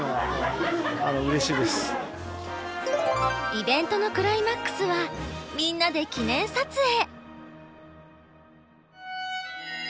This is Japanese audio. イベントのクライマックスはみんなで記念撮影。